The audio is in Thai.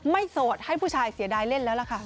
โสดให้ผู้ชายเสียดายเล่นแล้วล่ะค่ะ